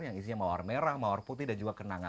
yang isinya mawar merah mawar putih dan juga kenanga